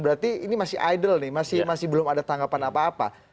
berarti ini masih idle nih masih belum ada tanggapan apa apa